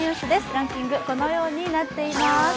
ランキング、このようになっています。